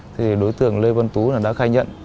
thì đối tượng lê văn tú đã khai nhận